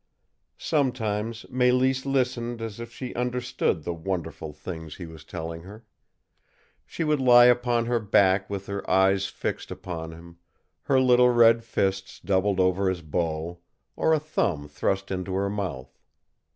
Sometimes Mélisse listened as if she understood the wonderful things he was telling her. She would lie upon her back with her eyes fixed upon him, her little red fists doubled over his bow, or a thumb thrust into her mouth.